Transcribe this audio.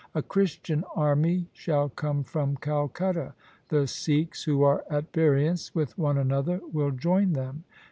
A Christian army shall come from Calcutta. The Sikhs who are at variance with one another will join them.